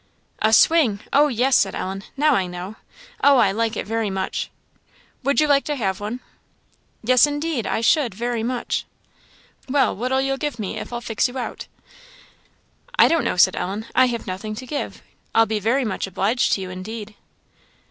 "A swing! oh, yes," said Ellen, "now I know. Oh, I like it very much." "Would you like to have one?" "Yes, indeed I should, very much." "Well, what'll you give me, if I'll fix you out?" "I don't know," said Ellen, "I have nothing to give; I'll be very much obliged to you, indeed."